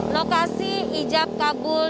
lokasi ijab kabul